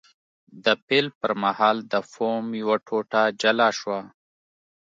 د پیل پر مهال د فوم یوه ټوټه جلا شوه.